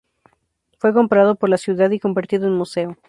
Fue comprado por la ciudad y convertido en museo.